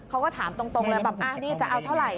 เขาก็ถามตรงเลยแบบนี่จะเอาเท่าไหร่